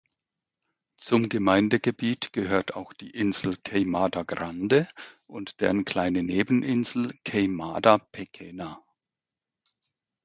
Zum Gemeindegebiet gehört auch die Insel Queimada Grande und deren kleine Nebeninsel "Queimada Pequena".